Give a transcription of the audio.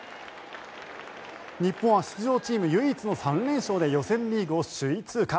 日本は出場チーム唯一の３連勝で予選リーグを首位通過。